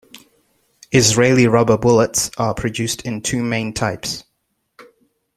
Israeli rubber bullets are produced in two main types.